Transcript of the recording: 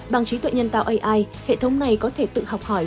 bằng trí tuệ nhân tạo ai hệ thống này có thể tự học hỏi